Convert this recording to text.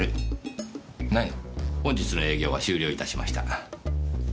本日の営業は終了いたしました。